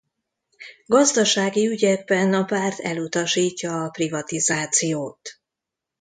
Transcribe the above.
Gazdasági ügyekben a párt elutasítja a privatizációt.